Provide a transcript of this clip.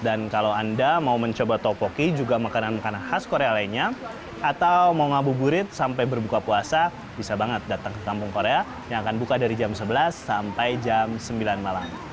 dan kalau anda mau mencoba tteokbokki juga makanan makanan khas korea lainnya atau mau ngabuburit sampai berbuka puasa bisa banget datang ke kampung korea yang akan buka dari jam sebelas sampai jam sembilan malam